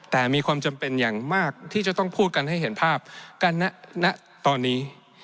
แต่มีความจำเป็นอย่างมากที่จะต้องพูดกันให้เห็นภาพกันณตอนนี้